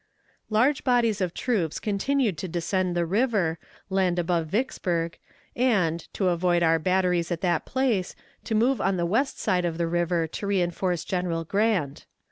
Large bodies of troops continued to descend the river, land above Vicksburg, and, to avoid our batteries at that place, to move on the west side of the river to reënforce General Grant.